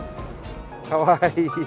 かわいい。